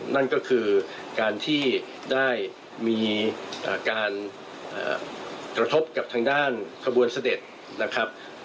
นั่นก็คือการที่ได้มีการกระทบกับทางด้านขบวนเสด็จนะครับ